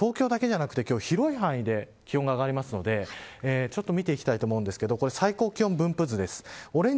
特に東京だけではなくて広い範囲で気温が上がるので見ていきたいと思うんですけど最高気温分布図です。